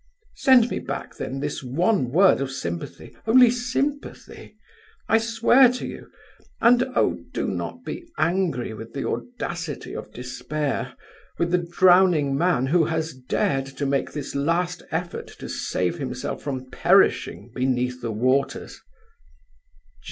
"Send me back then this one word of sympathy, only sympathy, I swear to you; and oh! do not be angry with the audacity of despair, with the drowning man who has dared to make this last effort to save himself from perishing beneath the waters.